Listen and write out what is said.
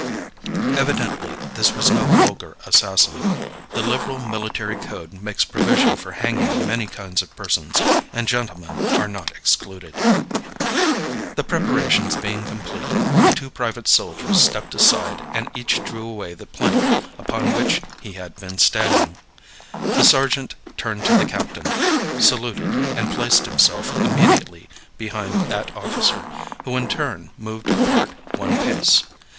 Evidently this was no vulgar assassin. The liberal military code makes provision for hanging many kinds of persons, and gentlemen are not excluded. The preparations being complete, the two private soldiers stepped aside and each drew away the plank upon which he had been standing. The sergeant turned to the captain, saluted, and placed himself immediately behind that officer, who in turn moved apart one pace.